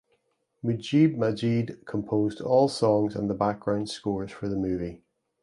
Mujeeb Majeed composed all songs and the background scores for the movie.